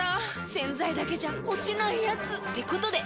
⁉洗剤だけじゃ落ちないヤツってことで。